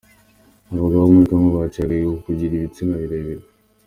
Abagabo bo muri congo baciye agahigo mu kugira ibitsina birebire